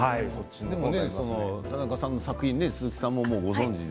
たなかさんの作品鈴木さんもご存じで？